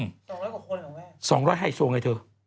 ๒๐๐กว่าคนเหรอแม่สองร้อยไฮโซไงเธอ